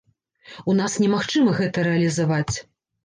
У нас немагчыма гэта рэалізаваць.